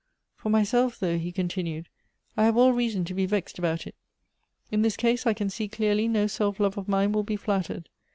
For myself, though," he continued, "I have all reason to be vexed about it. In this case I can see clearly no self love of mine will be flattered.